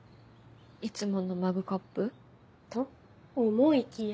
いつものマグカップ？と思いきや？